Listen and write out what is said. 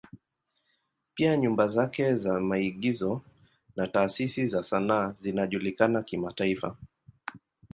Pia nyumba zake za maigizo na taasisi za sanaa zinajulikana kimataifa.